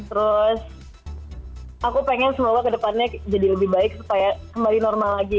terus aku pengen semoga kedepannya jadi lebih baik supaya kembali normal lagi